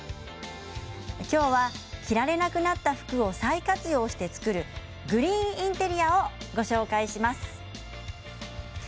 今日は着られなくなった服を再活用して作るグリーンインテリアをご紹介します。